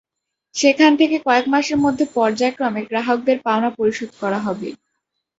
সেখান থেকে কয়েক মাসের মধ্যে পর্যায়ক্রমে গ্রাহকদের পাওনা পরিশোধ করা হবে।